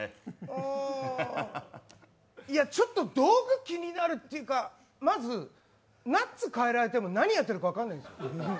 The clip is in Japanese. ああいや、ちょっと道具気になるっていうかまず、ナッツを変えられても何やってるか分からないです。